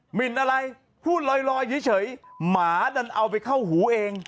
หมินอะไรพูดลอยเฉยหมาดันเอาไปเข้าหูเอง